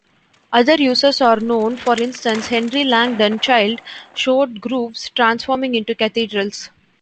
Other uses are known, for instance Henry Langdon Childe showed groves transforming into cathedrals.